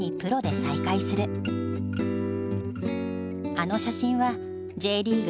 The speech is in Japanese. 「あの写真はＪリーグ